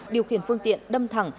điều khiển phương tiện đâm thẳng